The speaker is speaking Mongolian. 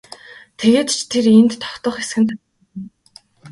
Тэгээд ч тэр энд тогтох эсэх нь тодорхойгүй.